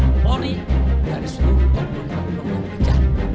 kapolri dari seluruh waktu waktu kita